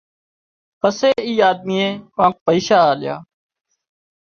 پسي اي آۮميئي ڪانڪ پئيشا آليا